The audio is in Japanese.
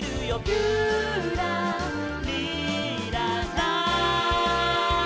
「ぴゅらりらら」